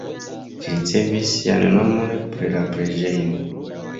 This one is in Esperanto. Ĝi ricevis sian nomon pri la preĝejo.